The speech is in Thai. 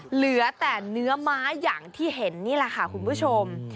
เหลือแต่เนื้อไม้อย่างที่เห็นนี่แหละค่ะคุณผู้ชม